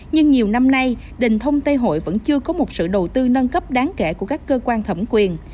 nhưng nhiều năm nay đình thông tây hội vẫn chưa có một sự đầu tư nâng cấp đáng kể của các cơ quan thẩm quyền